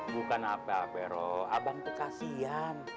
bukan apa apero abang tuh kasian